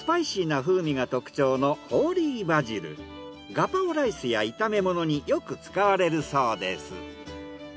ガパオライスや炒め物によく使われるそうです。